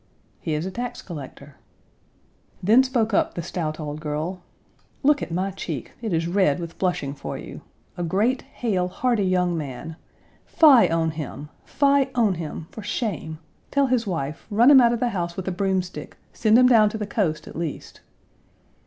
"He is a tax collector." Then spoke up the stout old girl: "Look at my cheek; it is red with blushing for you. A great, hale, hearty young man! Fie on him! fie on him! for shame! Tell his wife; run him out of the house with a broomstick; send him down to the coast at least."